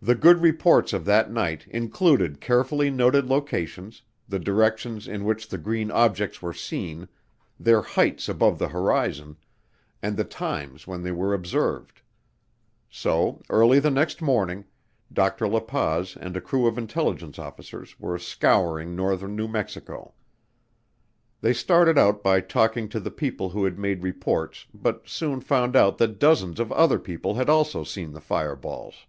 The good reports of that night included carefully noted locations, the directions in which the green objects were seen, their heights above the horizon, and the times when they were observed. So early the next morning Dr. La Paz and a crew of intelligence officers were scouring northern New Mexico. They started out by talking to the people who had made reports but soon found out that dozens of other people had also seen the fireballs.